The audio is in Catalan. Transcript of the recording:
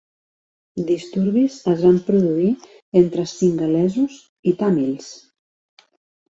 Disturbis es van produir entre singalesos i tàmils.